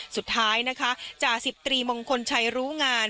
สุดท้ายนะคะจ่าสิบตรีมงคลชัยรู้งาน